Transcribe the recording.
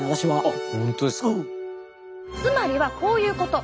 つまりはこういうこと。